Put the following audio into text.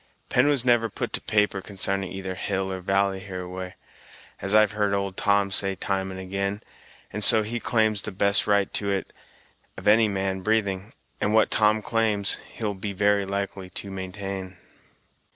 Pen was never put to paper consarning either hill or valley hereaway, as I've heard old Tom say time and ag'in, and so he claims the best right to it of any man breathing; and what Tom claims, he'll be very likely to maintain."